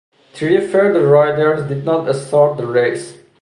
Three further riders did not start the race.